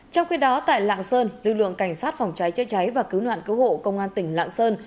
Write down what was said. trong khi đó tại lạng sơn lực lượng cảnh sát phòng cháy chữa cháy và cứu nạn cứu hộ công an tỉnh lạng sơn